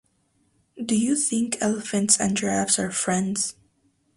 Do you think elephants and giraffes are friends?